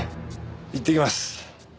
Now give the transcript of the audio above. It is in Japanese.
いってきます。